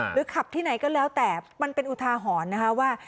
ขับที่ไหนก็แล้วแต่มันเป็นอุทาหรณ์นะคะว่า